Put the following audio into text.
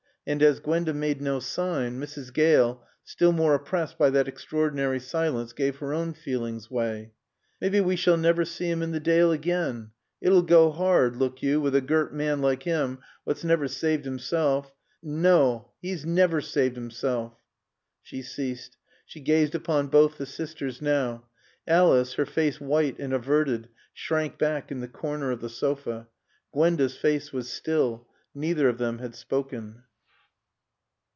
And as Gwenda made no sign, Mrs. Gale, still more oppressed by that extraordinary silence, gave her own feelings way. "Mebbe wae sall navver see 'im in t' Daale again. It'll goa 'ard, look yo, wi' a girt man like 'im, what's navver saaved 'isself. Naw, 'e's navver saaved 'issel." She ceased. She gazed upon both the sisters now. Alice, her face white and averted, shrank back in the corner of the sofa. Gwenda's face was still. Neither of them had spoken.